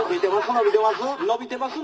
のびてます」。